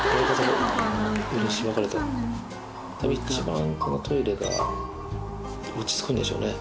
一番このトイレが落ち着くんでしょうね。